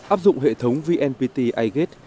áp dụng hệ thống vnpt igate